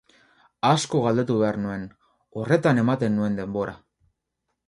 Asko galdetu behar nuen, horretan ematen nuen denbora.